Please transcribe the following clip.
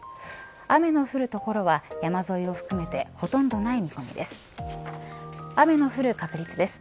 雨の降る所は山沿いを含めてほとんどない見込みです。